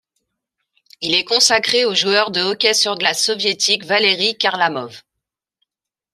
Il est consacré au joueur de hockey sur glace soviétique Valeri Kharlamov.